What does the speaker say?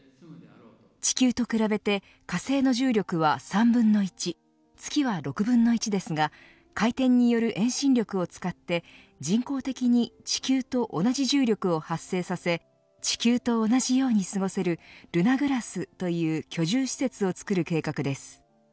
地球と比べて火星の重力は３分の１月は６分の１ですが回転による遠心力を使って人工的に地球と同じ重力を発生させ地球と同じように過ごせるルナグラスという居住施設を造る計画です。